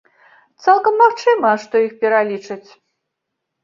Цалкам магчыма, што іх пералічаць.